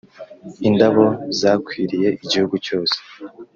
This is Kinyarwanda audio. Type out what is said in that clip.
Indabo zakwiriye igihugu cyose